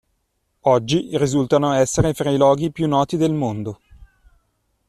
Oggi risultano essere fra i loghi più noti del mondo.